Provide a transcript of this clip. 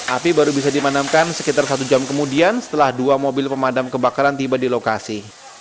api baru bisa dimadamkan sekitar satu jam kemudian setelah dua mobil pemadam kebakaran tiba di lokasi